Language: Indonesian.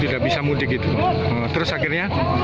tidak bisa mudik itu terus akhirnya